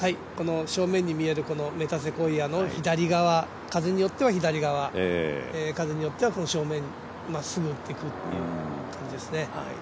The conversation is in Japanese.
正面に見えるメタセコイアの左、風によっては左側風によっては正面まっすぐ打ってくって感じですね。